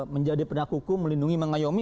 menjadi pendak hukum melindungi mengayomi